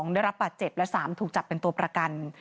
ได้รับบาดเจ็บและ๓ถูกจับเป็นตัวประกัน